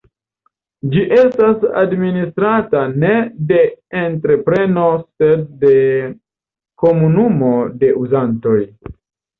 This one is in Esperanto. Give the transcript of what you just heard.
Ĝi estas administrata ne de entrepreno sed de komunumo de uzantoj.